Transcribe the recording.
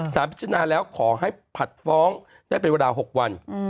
พิจารณาแล้วขอให้ผัดฟ้องได้เป็นเวลา๖วัน